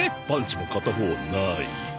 パンチも片方ない。